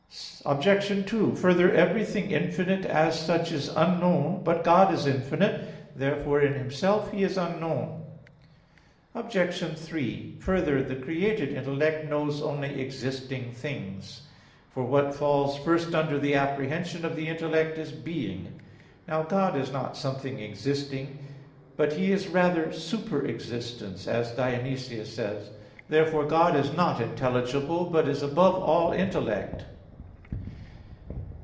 Obj. 2: Further, everything infinite, as such, is unknown. But God is infinite, as was shown above (Q. 7, A. 1). Therefore in Himself He is unknown. Obj. 3: Further, the created intellect knows only existing things. For what falls first under the apprehension of the intellect is being. Now God is not something existing; but He is rather super existence, as Dionysius says (Div. Nom. iv). Therefore God is not intelligible; but above all intellect.